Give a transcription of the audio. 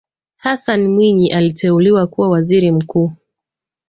hassan mwinyi aliteuliwa kuwa waziri mkuu